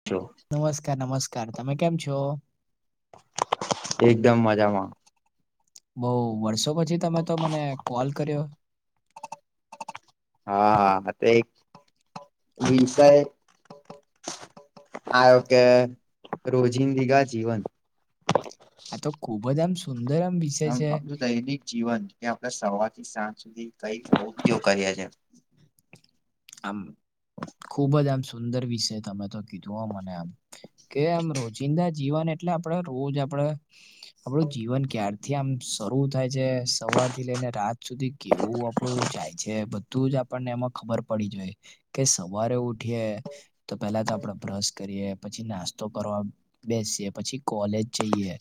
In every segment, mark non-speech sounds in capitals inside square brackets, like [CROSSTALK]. [UNINTELLIGIBLE] નમસ્કાર નમસ્કાર તમે કેમ છો એકદમ મજામાં બઉ વર્ષો પછી તમે તો મને કોલ કર્યો હા તે એક વિષય આયો કે રોજિંદિગા જીવન આ તો ખુબ જ આમ સુંદર આમ વિષય આમ છે આપણું દૈનિક જીવન કે આપણે સવારથી સાંજ સુધી કઈક [UNINTELLIGIBLE] કરે છે. આમ ખુબ જ આમ સુંદર વિશે તમે તો કીધું હો મને આમ કે એમ રોજિંદા જીવન એટલે આપડે રોજ આપડે આપણું જીવન ક્યારથી આમ શરૂ થાય છે સવારથી લઈને રાત સુધી કેવું આપણું જાય છે બધું જ આપણને એમાં ખબર પડી જાય કે સવારે ઉઠીએ તો પેલા તો આપણેે બ્રશ કરીએ પછી નાસ્તો કરવા બેસીએ પછી કોલેજ જઈએ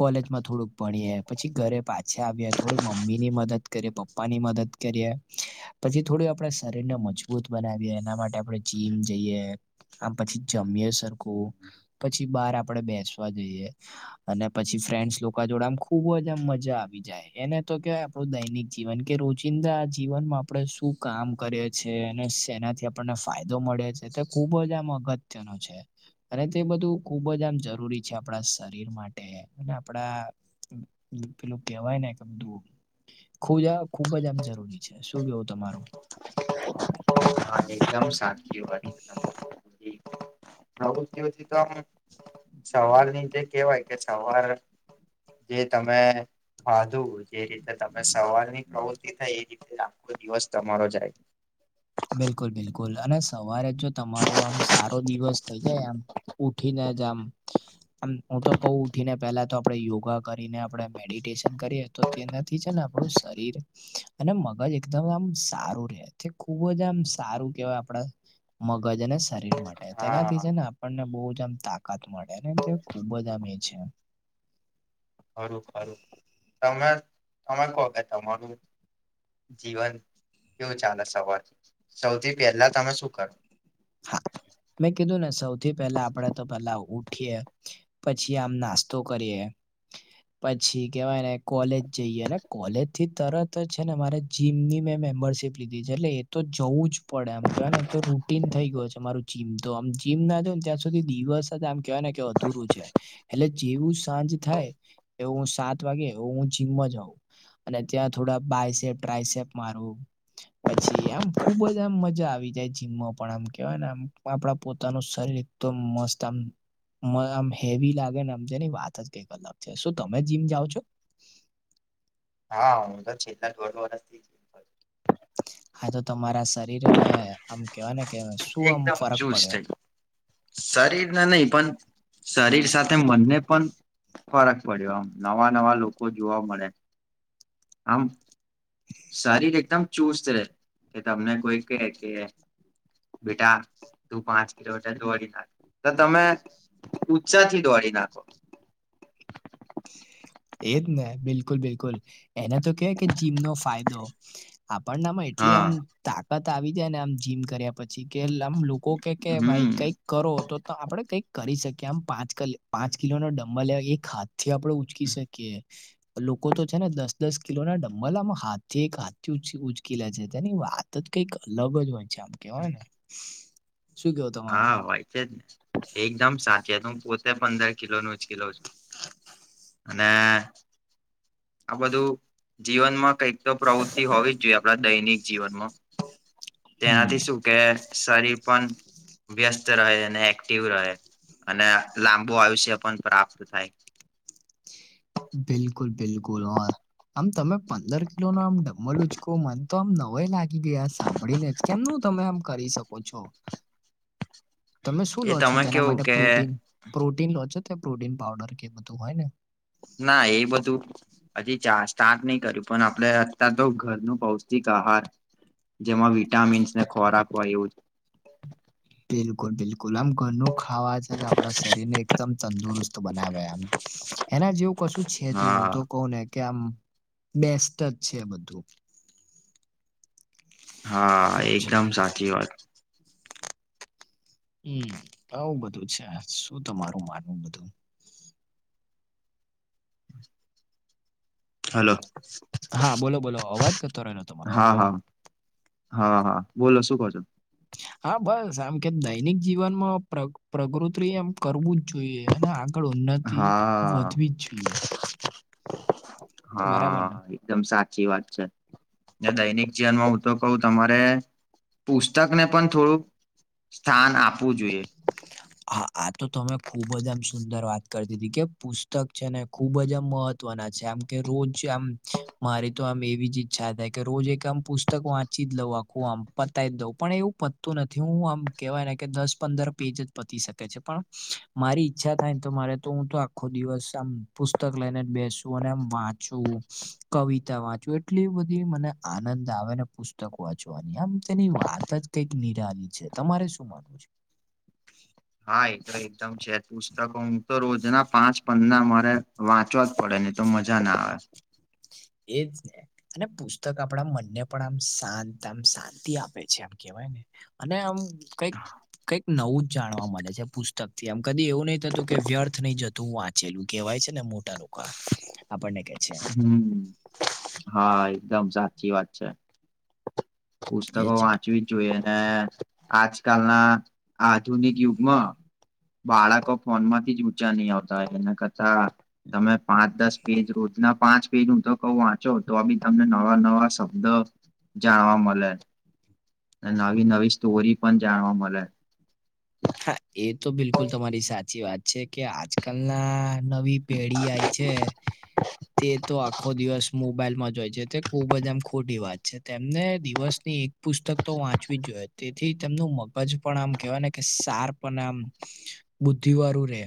કોલેજમાં થોડુંક ભણીએ પછી ઘરે પાછા આવીએ થોડીક મમ્મીની મદદ કરીએે પપ્પાની મદદ કરીએ પછી થોડું આપણે શરીરને મજ મજબૂત બનાવીએ એના માટે આપણે જીમ જઈએ આમ પછી જમીએ સરખું પછી બહાર આપડે બેસવા જઈએ અને પછી ફ્રેન્ડસ લોકો જોડે ખુબ જ આમ મજા આવી જાય એને તો કેવાય દૈનિક જીવન કે રોજિંદા જીવનમાં આપડે શું કામ કરે છે સેનાથી આપણને ફાયદો મળે છે તે ખુબ જ આમ અગત્યનો છે. અને તે બધું ખૂબ જ આમ જરૂરી છે આપણા શરીર માટે અને આપણા [UNINTELLIGIBLE] ખુજા ખુબ જ આમ જરૂરી છે શું કેવું તમારું હા એકદમ સાચી વાત પ્રવૃત્તિઓથી તો આમ સવારની જે કેવાય કે સવાર કે તમે ખાધું જે રીતે તમે સવારની પ્રવૃતિ થાય એ રીતે આખો દિવસ તમારો જાય બિલકુલ બિલકુલ અને સવારે જો તમારો આમ સારો દિવસ થઇ જાય આમ ઉઠીને જ આમ હું તો કવ ઉઠીને પેલા તો આપણેે યોગા કરીને આપણે મેડિટેશન કરીએ તો તેનાથી છે ને આપણું શર રીર અને મગજ એકદમ આમ સારું રે ખૂબ જ આમ સારું કેવાય આપડા મગજ અને શરીર માટે તેનાથી હા છે ને આપણને બહુ જ આમ તાકાત મળે તે ખુબ જ આમ એ છે. ખરું ખરું તમે તમે કો કે તમારું જીવન કેવું ચાલે સવાર થી સૌથી પહેલા તમે શું કરો હા મેં કીધું ને સૌથી પહેલા આપણેે તો પેલા ઊઠીએ પછી આમ નાસ્તો કરીએ પછી કેવાય ને કોલેજ જઈએ ને કોલેજ થી તરત જ છે ને મારે જીમની મેં મેમ્બરશીપ લીધી છે એટલે એ તો જવું જ પડે આમ કેવાય ને તો રૂટિન થઈ ગયું મારું જીમ તોમ જીમ ના જાવ ને ત્યાં સુધી દિવસ આમ કેવાય ને કે અધુરું છે. એટલે જેવું સાંજ થાય એવું હું સાત વાગે હું જિમમાં જઉં અને ત્યાં થોડા બાયસેપ ટ્રાયસેપ મારુ પછી આમ ખુબ જ આમ મજા આવી જાય જીમમાં પણ આમ. કેવાય ને આમ આપડા પોતાનું શરીર તો મસ્ત આમ મેં આમ હેવી લાગે ને અની વાત જ કઈ અલ છે શું તમે જીમ જાઓ છો? હા હું તો છેલ્લા દોઢ વર્ષથી હા તો તમારા શરીરોને આમ કેવાય ને કે શું આમ ફરક પડ્યો? શરીર ને નહી પણ શરીર સાથે મનને પણ ફરક પડ્યો આમ નવા નવા લોકો જોવા મળે આમ શરીર એકદમ ચુસ્ત રહેે કે તમને કોઈ કે કે બેટા તું પાંચ કિલોમીટર દોડી નાખ તો તમે ઉત્સાહથી દોડી નાખો. એજ ને બિલકુલ બિલકુલ એને તો કે કે જીમનો ફાયદો આપણનેમાં એટલી આમ હા તાકાત આવી જાય ને આમ જીમ કર્યા પછી કે લે આમ લોકો કે કે ભાઈ હમ કઈક કરો તો આપડે કંઈક કરી શકીએ આમ પાંચ ક પાંચ કિલોનો ડમબર લે એક હાથ થી આપડે ઉચકી શકીએ. લોકો તો છે ને દસ દસ કિલો ના ડમ્બલ આમા હાથ થી એક હાથ થી ઉચકીલા છે તેની વાત તો તો કઇક અલગ જ હોય છે આમ કેવાય ને. શું કેવું તમારું? હા હોય છે જ ને એકદમ સાચી વાત હું પોતે પંદર કિલોનું ઉંચકી લવ છું. અને આ બધું જીવનમાં કંઈક તો પ્રવૃતિ હોવી જ જોઈએ આપડા દૈનિક જીવનમાં હમ તેનાથી શું કે શરીર પણ વ્યસ્ત રહે અને એક્ટિવ રહે અને લાંબુ આયુષ્ય પણ પ્રાપ્ત થાય. બિલકુલ બિલ કુલ હોય. આમ તમે પંદર કિલો ન આમ ડમ્મલ ઉચકો મને તો આમ નવાઈ લાગ ઈ બી આ સાંભળી ને જ કેમનું તમે આમ કરી શકો છો. તમે શું લો એ છો તમે તેના કેવું માટે કે પ્રોટીન પ્રોટીન લો છો તો પ્રોટીન પાવઉડર કે બધું હોય ને ના એ બધું હજી ચાર સ્ટાર્ટ નહી કર્યું પણ આપડે અત તો ઘરનું પૌષ્ટિક આહાર જેમાં વિટામીન્સને ખોરાક હોય એવું બિલકુલ બિલકુલ આમ ઘરનું ખાવા છે અને આપણા શરીર ને એકદમ તંદુરસ્ત બનાવે આમ. એના જેવું કશું છે જ ને હું તો કહું ને કે આમ બેસ્ટ અજ છે બધું. હા એવું છે એકદમ સાચી વાત હમ્મ બઉ બધું છે આ શું તમારું માનવું બધું. હલો. હા બોલો બોલો અવાજ કરતો રહેલો તમારો હા હલો. હા હા હા બોલો શું કહો છો? હા બસ આમ કેમ દૈનિક જીવનમાં પ્ર-પ્રકૃતિ એમ કરવું જ જોઈએ અને ઉન્નતિ હા વધવી જ જોઈએ. બરાબર ને હા એકદમ સાચી વાત છે. ને દૈનિક જીવનમાં હું તો કહ તમારે પુસ્તક ને પણ થોડુંક સ્થાન આપવું જોઈએ. હા આ તો તમે ખુબ જ આમ સુંદર વાત કર દીધી કે પુશ પુસ્તક છે ને ખુબ જ આમ મહત્વના છે આમ કે રોજ આમ મારી તો આમ એવી જ ઈચ્છા થાય કે રોજ એક આમ પુસ્તક વાંચી જ લઉં આખું આમ પતાવી જ દઉં પણ એવું પતતું નથી હું આમ કેવાય ને કે દસ પંદર પેજ જ પતી શકે છે પણ મારી ઈચ્છા થાય તો મારે તો હું તો આખો દિવસ આમ પુસ્તક લઈને જ બેસું અને એમ વાચું કવિતા વાચું એટલી બધી મને આનંદ આવેને પુસ્તક વાંચવાની આમ તેની જ કઇક નીરાલી છે તમારે શું માનવુ છે હા એ તો એકદમ છે પુસ્તકો હું તો રોજના પાંચ પના મારે વાંચવા જ પડે નહી તો મજા ના આવે એજને અને પુસ્તક આપણા મનને પણ આમ શાંત આમ શાંતિ આપે છે આમ કેવાયને અને આમ કઈક કઈક નવું જાણવા મળે છે પુસ્તક થી આમ કદી એવું નહી થતું કે વ્યર્થ નહી જતું વાચેલું કહેવાય છે ને મોટા લોકો વાહ આપણને કે છે હમ્મ હા એકદમ સાચી વાત છે. પુસ્તકો એજ ને વાંચવી જોઈ ને આજકાલ ના આધુનિક યુગમાં બાળકો ફોન માંથી જ ઊંચા નહી આવતા એના કરતા તમે પાંચ દસ પેજ રોજ ના પાંચ પેજ હું તો કહ વાંચો તો બી તમને નવા નવા શબ્દ જાણવા મળે નવી નવી સ્ટોરી પણ જાણવા મળે હા એ તો બિલકુલ તમારી સાચી વાત છે. કે આજકાલના નવી પેઢી આઈ છે. તે તો આખો દિવસ મોબાઈલમાં જ હોય છે તે ખુબ જ આમ ખોટી વાત છે તેમને દિવસની એક પુસ્તક તો વાંચવી જ જોઈ તેથી તેમનું મગજ પણ આમ કેવાય ને કે સાર્પ અને આમ બુદ્ધિવાળું રે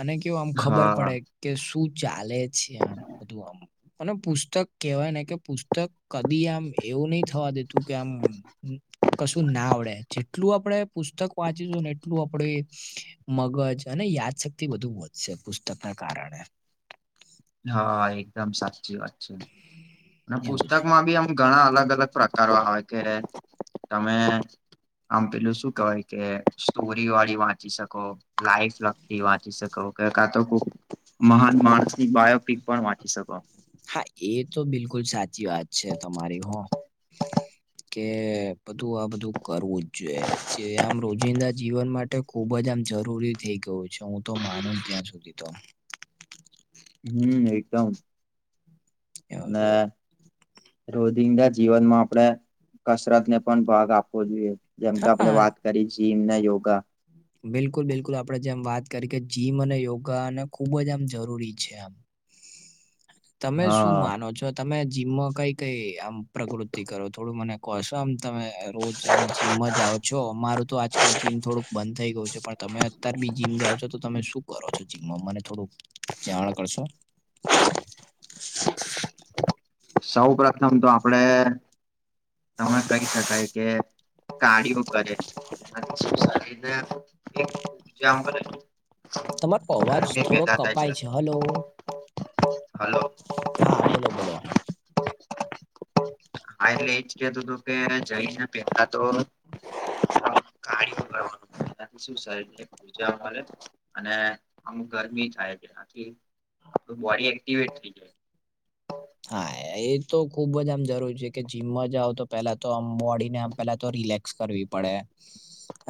અને કેવું આમ ખબર હા પડે કે શું ચાલે છે આમ બધું આમ અને પુસ્તક કહેવાય ને કે પુસ્તક કદી આમ એવું નહિ થવા દેતું કે આમ કશું ના આવડે જેટલું આપડે પુસ્તક વાંચીશું ને એટલું આપડે મગજ અને યાદશક્તિ બધું વધશે પુસ્તકના કારણે હા એકદમ સાચી વાત છે અને એવું છે પુસ્તકમાં બી આમ ઘણા અલગ અલગ અલગ પ્રકારો આવ છે તમે આમ પેલું શું કહેવાય કે સ્ટોરીવાળી વાંચી શકો લાઈફ લગતી વાંચી શકો કાતો કોક મહાન માણસ એ બાયોપીક પણ વાંચી શકો હા એ તો બિલકુલ સાચી વાત છે તમારી હો કે બધું આ બધું કરવું જ જોઈએ જે આમ રોજિંદા જીવન માટે ખુબ જ આમ જરૂરી થઈ ગયું છે હું તો માનું ત્યાં સુધી તો હમ એકદમ એવું અને છે રોધિંદા જીવનમાં આપણે કસરત ને પણ ભાગ આપવો જોઈએ જેમકે આપણે હા વાત કરી જીમ ને યોગા બિલકુલ બિલકુલ આપડે જેમ વાત કરી કે જીમ અને યોગાને ખુબ જ આમ જરૂરી છે તમે શું હા માનો છો તમે જીમમાં કઈ કઈ આમ પ્રકૃતિ કરો થોડું મને કોશો આમ તમે રોજ આમ જિમમાં જાઓ છો અમાર તો આજકાલ જીમ થોડુંક બંધ થઈ ગયું છે પણ તમે અત્યાર બી જીમ જાઓ છો તો તમે શું કરો છો જીમમાં? મને થોડુંક જાણ કરશો! સૌ પ્રથમ તો આપડે તમે કહી શકાય કે કાર્ડિયો કરીઓ કરે અને પછી શરીરને જમ્પ રે તમારા અવાજ થોડોક કપાય છે. હલો. હલો. હા બોલો બોલો હા એટલે એજ કેતું હતું કે જઈને પેલા તો કાર્ડિયો કરવાનો એનાંથી સુ શરીરને ઉર્જા મળે, અને આમ ગરમી થાય તેનાથી આપણું બોડી એક્ટિવેટ થઈ જાય. હા એ તો ખુબ જ આમ જરૂરી છે કે જીમમાં જઓ તો પેલા તો આમ બોડીને આમ પેલા તો રિલેક્સ કરવી પડે.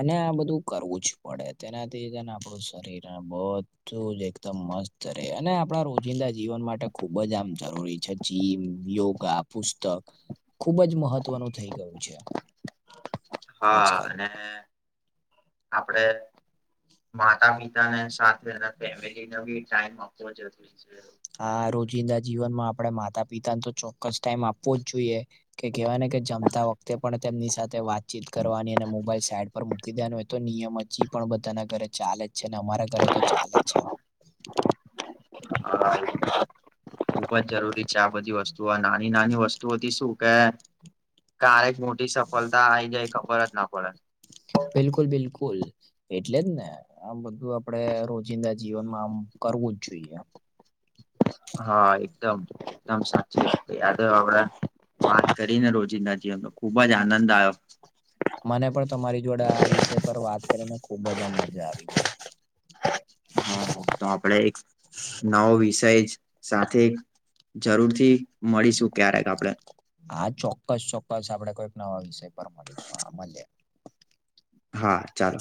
અને આ બધું કરવું જ પડે. તેનાથીને આપણું શરીર બ બધું જ એકદમ મસ્ત રહેે, અને આપણા રોજિંદા જીવન માટે ખુબ જ આમ જ જીમ, યોગા, પુસ્તક ખુબ જ મહત્વનું થઈ ગયું છે. હા આજકાલ. અને આપડે માતા પિતાને સાથેના ફેમિલીને બી ટાઈમ આપવો જરૂરી છે. આ રોજિંદા જીવનમાં આપડણે માતા પિતાને તો ચોક્કસ ટાઈમ આપવો જ જોઈએ. કે કેહેવાય ને કે જમતા વખતે પણ તેમની સાથે વાતચીત કરવાની અને મોબાઈલ સાઈડ મૂકી દેવાનું એ તો નિયમ હજી પણ બધાના ઘરે ચાલે જ છે. ને અમારા ઘરે તો ચાલે જ છે. હા, ખૂબ જ જરૂરી છે આ બધી વસ્તુ. જો આ નાની નાની વસ્તુઓથી શું કે કારારેક મોટી સફળતા આવી જાય ખબર જ ના પડે. બિલકુલ. બિલકુલ. એટલે જ ને આમ બધું આપડે રોજિંદા જીવનમાં આમ કરવું જ જોઈએ. હા, એકદમ એકદમ સાચી વાત કહી, આ ત આપડે વાત કરીને રોજી નજીતો ખુબ જ આનંદ આવ્યો. મને પણ તમારી જોડે આ વિષય પર વાત કરીને ખુબ જ આમ મજા આવી ગઈ. હા તો આપડે એક નવો વિષય જ સાથે જરૂર થી મળીશું ક્યારેક આપડે હા. ચોક્કસ! ચોક્કસ! આપડે કોઈક નવા વિષય પર મળીશું આ મળ્યા. હા ચાલો.